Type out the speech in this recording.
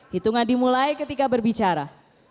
hitungan dimulai ketika berbicara